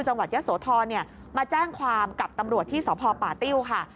จังหวัดยะโสธรมาแจ้งความกับตำรวจที่สพป่าติ้วค่ะ